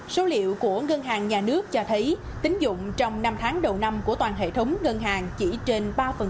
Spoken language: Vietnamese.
số liệu của ngân hàng nhà nước cho thấy tính dụng trong năm tháng đầu năm của toàn hệ thống ngân hàng chỉ trên ba